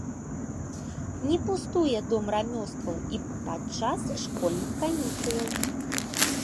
Не пустуе дом рамёстваў і падчас школьных канікулаў.